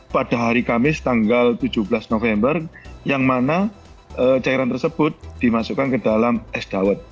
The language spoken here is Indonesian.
pada hari kamis tanggal tujuh belas november yang mana cairan tersebut dimasukkan ke dalam es dawet